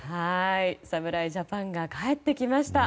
侍ジャパンが帰ってきました。